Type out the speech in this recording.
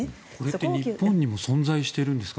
これって日本にも存在しているんですか？